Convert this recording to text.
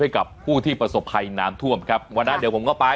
ให้กับผู้ที่ประสบภัยน้ำท่วมครับวันนั้นเดี๋ยวผมก็ไป